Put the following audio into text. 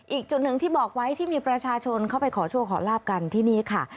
อีกจุดหนึ่งที่บอกไว้ที่มีประชาชนเข้าไปขอโชคขอลาบกันที่นี่ค่ะ